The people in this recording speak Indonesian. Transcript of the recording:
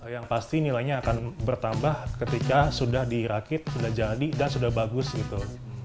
yang pasti nilainya akan bertambah ketika sudah dirakit sudah jadi dan sudah bagus gitu